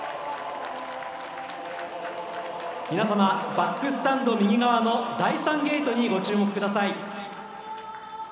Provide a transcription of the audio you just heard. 皆様、バックスタンド右側の第３ゲートにご注目ください。